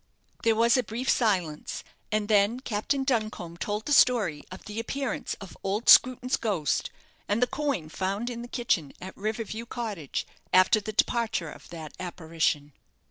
There was a brief silence; and then Captain Duncombe told the story of the appearance of old Screwton's ghost, and the coin found in the kitchen at River View Cottage after the departure of that apparition.